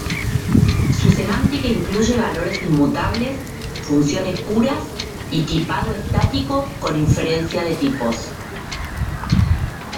Su semántica incluye valores inmutables, funciones puras, y tipado estático con inferencia de tipos.